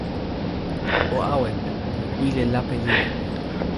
o awen. mi wile lape lili.